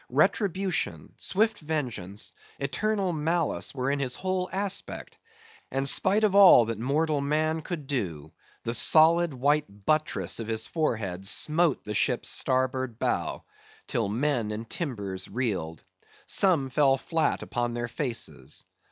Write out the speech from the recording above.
Retribution, swift vengeance, eternal malice were in his whole aspect, and spite of all that mortal man could do, the solid white buttress of his forehead smote the ship's starboard bow, till men and timbers reeled. Some fell flat upon their faces.